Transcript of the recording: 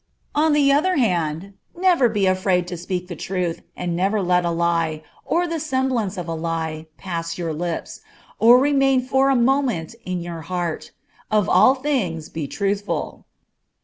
On the other hand, never be afraid to speak the truth, and never let a lie, or the semblance of a lie, pass your lips, or remain for a moment in your heart. Of all things be truthful.